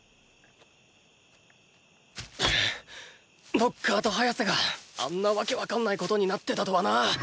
ノッカーとハヤセがあんな訳わかんないことになってたとはな。